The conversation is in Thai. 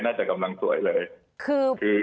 จะกำลังสวยเลย